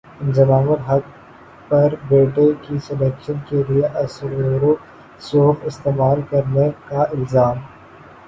انضمام الحق پر بیٹے کی سلیکشن کیلئے اثرورسوخ استعمال کرنے کا الزام